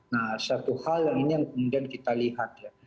nah satu hal yang ini yang kemudian kita lihat ya